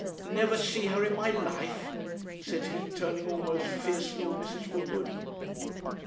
never see her in my life?' said he, turning almost fiercely on Mrs. Woodward.